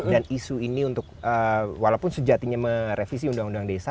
dan isu ini untuk walaupun sejatinya merevisi undang undang desa